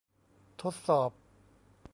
ทดสอบ